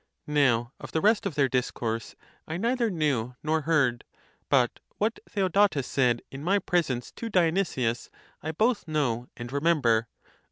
Now of the rest of their discourse I neither knew nor heard; but what Theodotes said in my presence to Dionysius, I both know and remember.